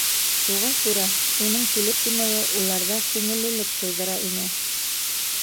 Шуға күрә уның килеп инеүе уларҙа күңеллелек тыуҙыра ине.